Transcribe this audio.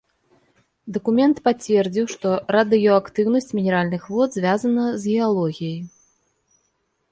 Дакумент пацвердзіў, што радыеактыўнасць мінеральных вод звязана з геалогіяй.